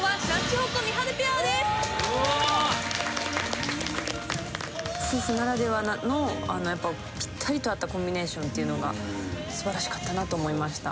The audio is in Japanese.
夫婦ならではのぴったりと合ったコンビネーションっていうのがすばらしかったなと思いました